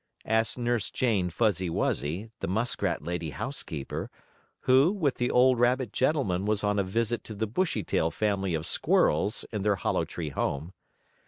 asked Nurse Jane Fuzzy Wuzzy, the muskrat lady housekeeper, who, with the old rabbit gentleman, was on a visit to the Bushytail family of squirrels in their hollow tree home.